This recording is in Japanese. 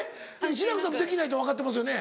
志らくさんできないって分かってますよね？